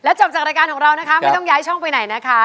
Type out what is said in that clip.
จบจากรายการของเรานะคะไม่ต้องย้ายช่องไปไหนนะคะ